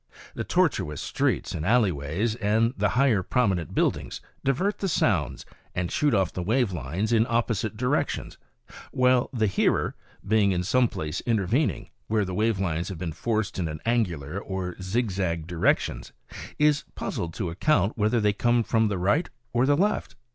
The tortuous streets and alley ways, and the higher prominent build ings, divert the sounds and shoot off the wave lines in opposite directions, while the hearer, being in some place intervening, where the wave lines have been forced in angular or zigzag di rections, is puzzled to account whether they come from the right or the left.